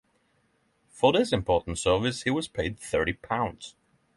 For this important service he was paid thirty pounds.